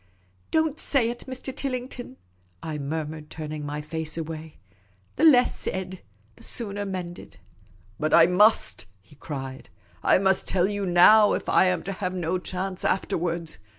" Don't say it, Mr. Tillington," I murmured, turning my face away. " The less said, the sooner mended." " But I must," he cried. " I must tell you now, if I am 56 Miss Cayley's Adventures to have no chance afterwards.